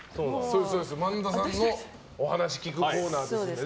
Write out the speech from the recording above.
萬田さんのお話を聞くコーナーですので。